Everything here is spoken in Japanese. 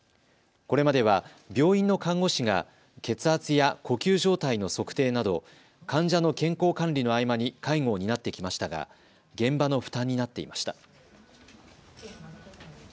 これまでは病院の看護師が血圧や呼吸状態の測定など患者の健康管理の合間に介護を担ってきましたが現場の負担になっていました。